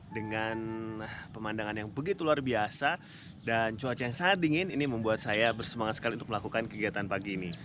dengan pemandangan yang begitu luar biasa dan cuaca yang sangat dingin ini membuat saya bersemangat sekali untuk melakukan kegiatan pagi ini